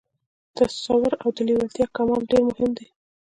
تصور او د لېوالتیا کمال ډېر مهم دي